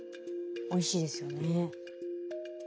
おいしいですよね。